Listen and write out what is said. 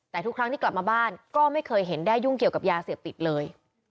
แต่ทุกครั้งที่กลับมาบ้านก็ไม่เคยเห็นได้ยุ่งเกี่ยวกับยาเสพติดเลย